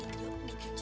dicuci sampai bersih